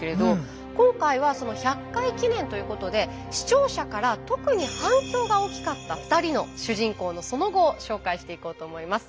今回はその１００回記念ということで視聴者から特に反響が大きかった２人の主人公のその後を紹介していこうと思います。